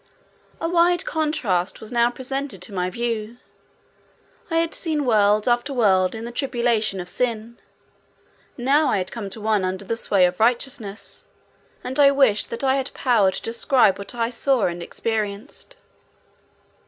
A wide contrast was now presented to my view. I had seen world after world in the tribulation of sin. Now I had come to one under the sway of righteousness, and I wish that I had power to describe what I saw and experienced.